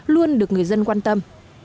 luôn được người dân quan tâm